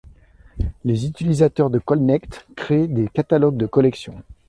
Les utilisateurs de Colnect créent des catalogues de collection.